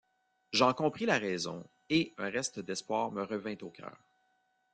J’en compris la raison, et un reste d’espoir me revint au cœur.